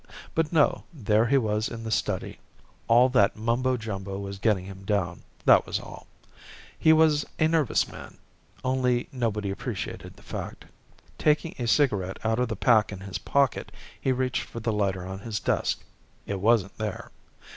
But no, there he was in the study. All that mumbo jumbo was getting him down, that was all. He was a nervous man only nobody appreciated the fact. Taking a cigarette out of the pack in his pocket, he reached for the lighter on his desk. It wasn't there.